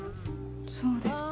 そうですか。